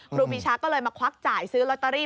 ครูปีชาก็เลยมาควักจ่ายซื้อลอตเตอรี่